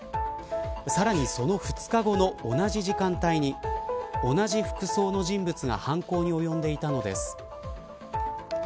さらにその２日後の同じ時間帯に同じ服装の人物が犯行に及んでいたのです。